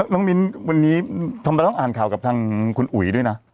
มิ้นวันนี้ทำไมต้องอ่านข่าวกับทางคุณอุ๋ยด้วยนะ